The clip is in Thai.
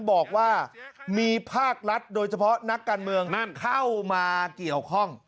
บอกว่ามีภาครัฐโดยเฉพาะนักการเมืองนั่นเข้ามาเกี่ยวข้อง